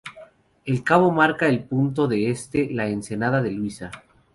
El cabo marca el punto este de la ensenada de Luisa.